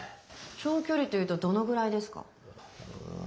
長距離というとどのぐらいですか？